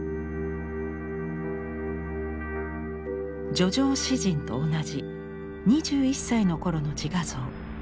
「叙情詩人」と同じ２１歳の頃の自画像。